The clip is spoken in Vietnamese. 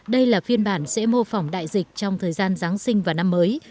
đây là phiên bản sẽ mô phỏng đại dịch trong thời gian giáng sinh và năm mới